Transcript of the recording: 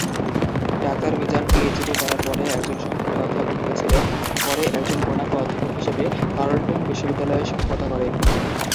Doctor Mizan PhD করার পরে একজন সহকারী অধ্যাপক হয়েছিলেন, পরে একজন পূর্ণাঙ্গ অধ্যাপক হিসেবে কার্লটন বিশ্ববিদ্যালয়ে শিক্ষকতা করেন।